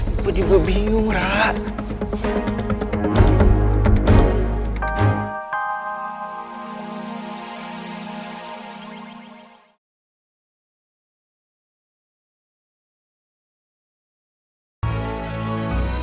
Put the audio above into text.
aku juga bingung rara